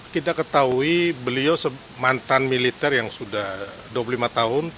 kita ketahui beliau mantan militer yang sudah dua puluh lima tahun